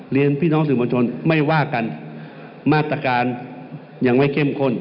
พี่น้องสื่อมวลชนไม่ว่ากันมาตรการยังไม่เข้มข้น